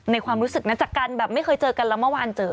ความรู้สึกนะจากการแบบไม่เคยเจอกันแล้วเมื่อวานเจอ